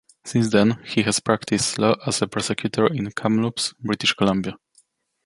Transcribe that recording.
Since then, he has practiced law as a prosecutor in Kamloops, British Columbia.